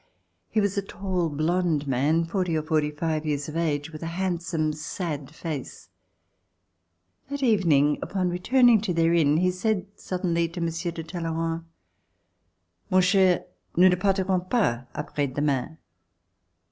He was a tall blond man, forty or forty five years of age, with a handsome sad face. That evening upon returning to their inn, he said suddenly to Monsieur de Talleyrand: Mon cher, nous ne partlrons pas apres demain."